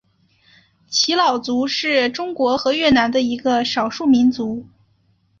仡佬族是中国和越南的一个少数民族。